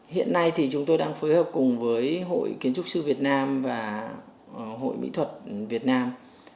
hiện nay thì chúng tôi đang phối hợp cùng với hội kiến trúc sư việt nam và hội mỹ thuật việt nam